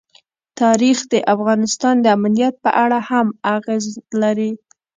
تاریخ د افغانستان د امنیت په اړه هم اغېز لري.